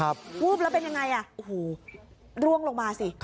แล้วเป็นอย่างไรอู้หูร่วงลงมาสิ